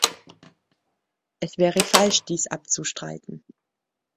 Es wäre falsch, dies abzustreiten.